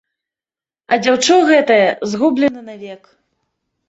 А дзяўчо гэтае згублена навек.